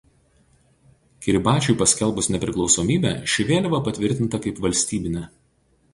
Kiribačiui paskelbus nepriklausomybę ši vėliava patvirtinta kaip valstybinė.